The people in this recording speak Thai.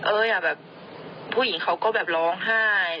แบบผู้หญิงเขาก็แบบร้องไห้